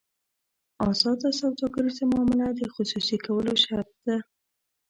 ازاده سوداګریزه معامله د خصوصي کولو شرط ده.